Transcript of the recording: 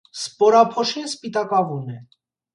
Սպորափոշին սպիտակավուն է։